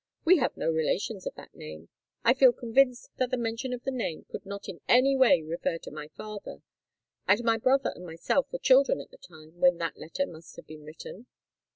We have no relations of that name. I feel convinced that the mention of the name could not in any way refer to my father; and my brother and myself were children at the time when that letter must have been written."